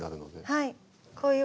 はい。